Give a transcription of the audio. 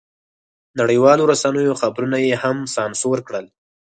نړیوالو رسنیو خبرونه یې هم سانسور کړل.